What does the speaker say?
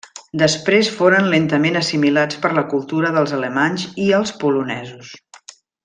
Després foren lentament assimilats per la cultura dels alemanys i els polonesos.